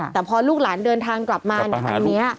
แต่พอลูกหลานเดินทางกลับมาทางนี้